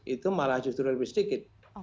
itu malah justru lebih sedikit